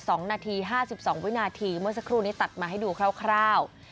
สองนาทีห้าสิบสองวินาทีเมื่อสักครู่นี้ตัดมาให้ดูคร่าว